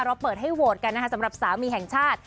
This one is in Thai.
เปิดให้โหวตกันนะคะสำหรับสามีแห่งชาติ